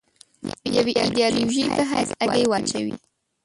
د یوې ایدیالوژۍ په حیث هګۍ واچوي.